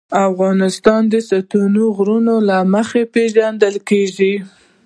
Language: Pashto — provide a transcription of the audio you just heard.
افغانستان د ستوني غرونه له مخې پېژندل کېږي.